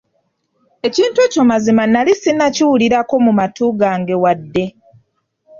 Ekintu ekyo mazima nnali ssinnakiwulirako mu matu gange wadde.